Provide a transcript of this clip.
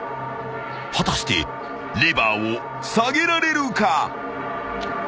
［果たしてレバーを下げられるか？］